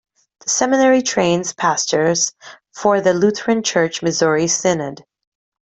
The seminary trains pastors for the Lutheran Church-Missouri Synod.